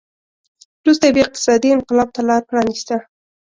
وروسته یې بیا اقتصادي انقلاب ته لار پرانېسته